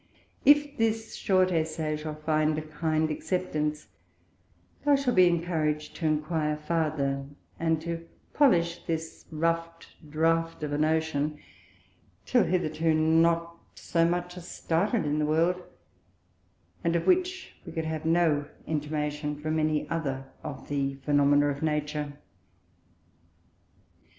If this short Essay shall find a kind Acceptance, I shall be encourag'd to enquire farther, and to Polish this rough Draft of a Notion till hitherto not so much as started in the World, and of which we could have no Intimation from any other of the Phænomena of Nature.